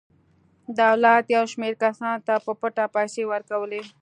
دولت یو شمېر کسانو ته په پټه پیسې ورکولې.